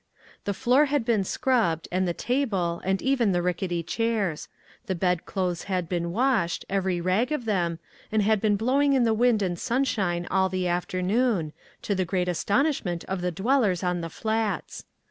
The floor had been scrubbed, and the table, and even the rickety chairs. The bedclothes had been washed, every rag of them, and had been blowing in the wind and sunshine all the afternoon, to the great astonishment of the dwellers on the Flats.